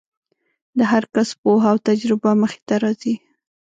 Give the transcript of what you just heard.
د هر کس پوهه او تجربه مخې ته راځي.